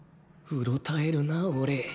うろたえるな俺。